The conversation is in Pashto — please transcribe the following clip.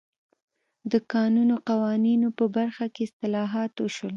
د کانونو قوانینو په برخه کې اصلاحات وشول.